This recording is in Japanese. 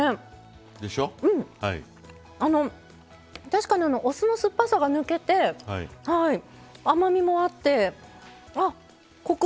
確かにお酢の酸っぱさが抜けて甘みもあってコクもあります。